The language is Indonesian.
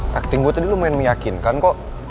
facting gue tadi lumayan meyakinkan kok